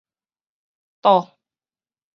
嶋